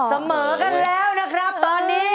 เสมอกันแล้วนะครับตอนนี้